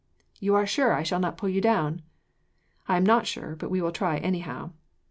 "You are sure I shall not pull you down?" "I am not sure, but we will try, anyhow."